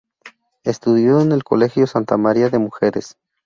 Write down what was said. Estudió en el Colegio Santa María de mujeres.